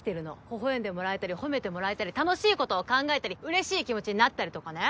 微笑んでもらえたり褒めてもらえたり楽しいことを考えたりうれしい気持ちになったりとかね。